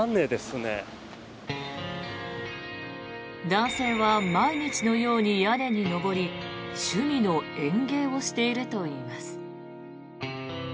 男性は毎日のように屋根に上り趣味の園芸をしているといいます。